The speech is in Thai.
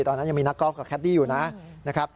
ตอนนั้นยังมีนักกอล์ฟกับแคดดี้อยู่นะครับ